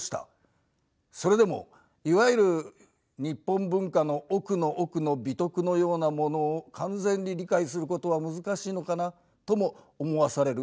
それでもいわゆる日本文化の奥の奥の美徳のようなものを完全に理解することは難しいのかなとも思わされる時はあった。